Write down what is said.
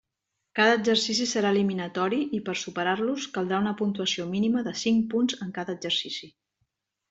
Cada exercici serà eliminatori i per superar-los caldrà una puntuació mínima de cinc punts en cada exercici.